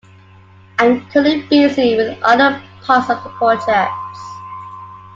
I'm currently busy with other parts of the projects.